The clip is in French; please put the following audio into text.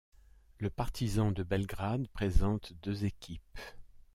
Le Partizan de Belgrade présente deux équipes.